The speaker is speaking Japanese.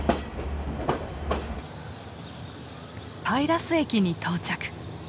パイラス駅に到着。